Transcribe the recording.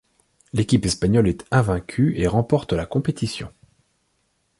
L'équipe espagnole est invaincue et remporte la compétition.